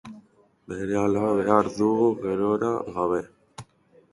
Berehala behar dugu, gerora gabe.